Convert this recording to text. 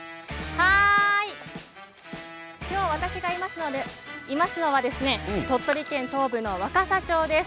今日、私がいますのは鳥取県東部の若桜町です。